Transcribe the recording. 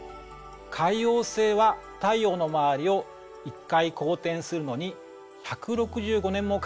海王星は太陽の周りを１回公転するのに１６５年もかかっています。